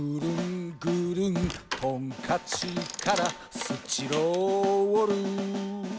「トンカチからスチロール」